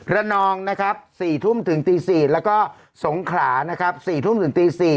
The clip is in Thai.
ระนองนะครับ๔ทุ่มถึงตี๔แล้วก็สงขลานะครับ๔ทุ่มถึงตี๔